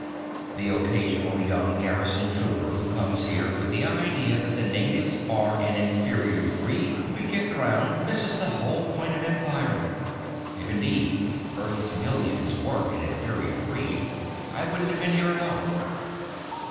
The occasional young garrison trooper who comes here with the idea that the natives are an inferior breed to be kicked around misses the whole point of Empire. If, indeed, Earth's millions were an inferior breed, I wouldn't have been here at all.